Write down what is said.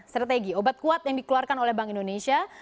strategi obat kuat yang dikeluarkan oleh bank indonesia